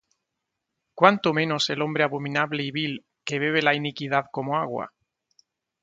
¿Cuánto menos el hombre abominable y vil, Que bebe la iniquidad como agua?